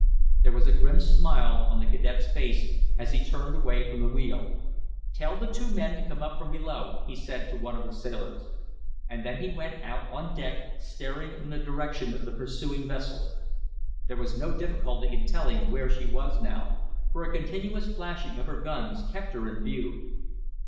There was a grim smile on the cadet's face as he turned away from the wheel. "Tell the two men to come up from below," he said to one of the sailors. And then he went out on deck, staring in the direction of the pursuing vessel. There was no difficulty in telling where she was now, for a continuous flashing of her guns kept her in view.